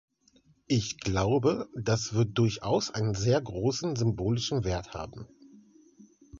Ich glaube, das wird durchaus einen sehr großen symbolischen Wert haben.